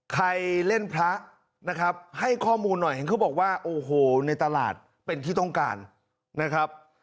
ใครเล่นพระนะครับให้ข้อมูลหน่อยเห็นเขาบอกว่าโอ้โหในตลาดเป็นที่ต้องการนะครับ